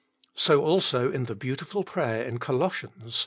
So also in the beautiful prayer in Colossians (i.